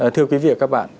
thưa quý vị và các bạn